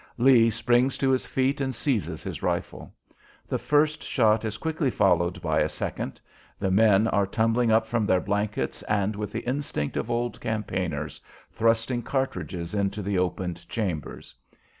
Lee springs to his feet and seizes his rifle. The first shot is quickly followed by a second; the men are tumbling up from their blankets and, with the instinct of old campaigners, thrusting cartridges into the opened chambers.